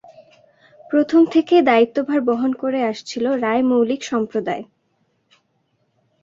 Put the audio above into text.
প্রথম থেকেই দায়িত্বভার বহন করে আসছিল রায় মৌলিক সম্প্রদায়।